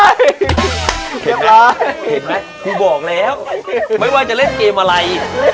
เห็นไหมกูบอกแล้วไม่ว่าจะเล่นเกมอะไร